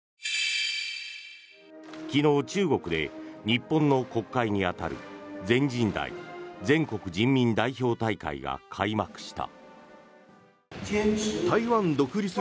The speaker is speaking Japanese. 昨日、中国で日本の国会に当たる全人代・全国人民代表大会が開幕した。